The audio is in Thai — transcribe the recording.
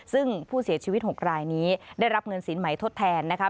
ซึ่งผู้เสียชีวิต๖รายนี้ได้รับเงินสินใหม่ทดแทนนะคะ